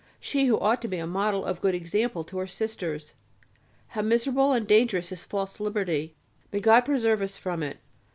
She who ought to be a model of good example to her Sisters. How miserable and dangerous is this false liberty. May God preserve us from it!